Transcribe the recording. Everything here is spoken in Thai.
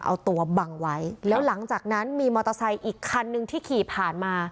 เอาตัวบังไว้แล้วหลังจากนั้นมีมอเตอร์ไซค์อีกคันนึงที่ขี่ผ่านมา